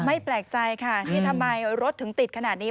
แปลกใจค่ะที่ทำไมรถถึงติดขนาดนี้